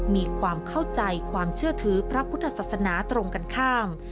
มีความเข้าใจความเชื่อถือพระพุทธศาสนาตรงกันข้าม